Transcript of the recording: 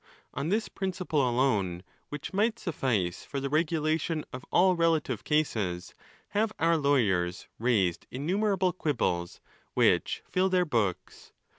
On this principle alone, which might suffice for the regulation of all relative cases, have our lawyers raised innumerable quibbles, which fill their books.